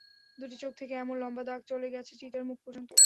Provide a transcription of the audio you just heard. দুটি চোখ থেকেই এমন লম্বা দাগ চলে গেছে চিতার মুখ পর্যন্ত।